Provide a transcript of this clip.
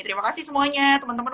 terima kasih semuanya teman teman